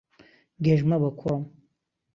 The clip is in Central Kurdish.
گێژ مەبە، کوڕم.